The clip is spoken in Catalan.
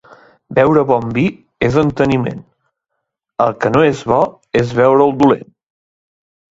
Beure bon vi és enteniment; el que no és bo és beure'l dolent.